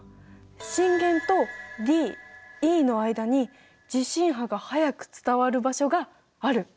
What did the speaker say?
震源とＤＥの間に地震波が速く伝わる場所がある！